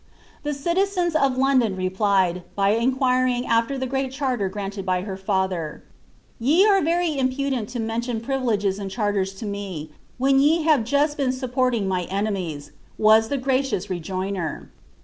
The citizens of London replied, by inquiring after the great charter granted by her fiither. ^Te are very impudent to mention privileges and charters to me, when ye have just been supporting my enemies," was the gracious. rejoinifer.'